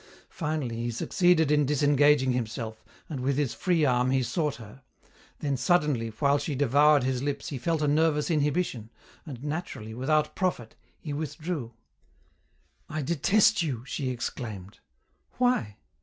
Finally, he succeeded in disengaging himself, and, with his free arm he sought her; then suddenly, while she devoured his lips he felt a nervous inhibition, and, naturally, without profit, he withdrew. "I detest you!" she exclaimed. "Why?"